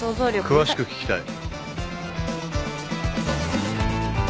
詳しく聞きたい。